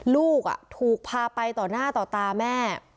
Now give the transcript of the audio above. ลูกถูกพาไปต่อหน้าต่อตาแม่